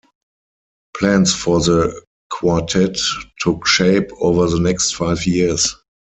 Plans for the quartet took shape over the next five years.